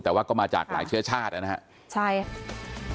แต่ว่าก็มาจากหลายเชื้อชาตินะครับ